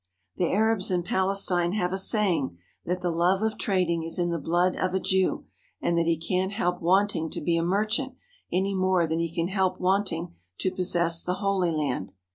The Arabs in Palestine have a saying that the love of trading is in the blood of a Jew and that he can't help wanting to be a merchant any more than he can help wanting to possess the Holy Land.